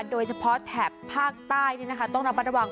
โดยเฉพาะแถบภาคใต้ต้องรับประตะวัง